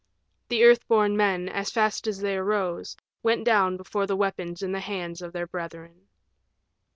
The Earth born Men, as fast as they arose, went down before the weapons in the hands of their brethren.